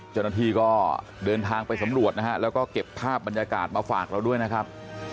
เจ้าหน้าที่ก็เดินทางไปสำรวจนะฮะแล้วก็เก็บภาพบรรยากาศมาฝากเราด้วยนะครับ